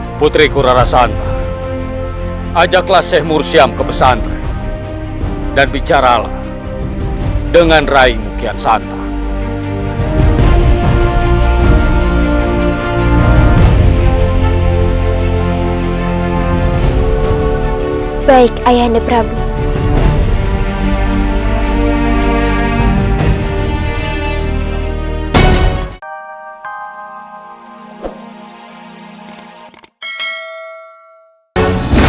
hai putri kurara santai ajaklah syekh mursyam ke pesantren dan bicaralah dengan raih mukyat santai